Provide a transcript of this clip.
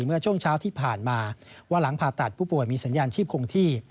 เมื่อช่วงเช้าที่ผ่านมาว่าหลังผ่าตัดผู้ป่วยมีสัญญาณชีพคงที่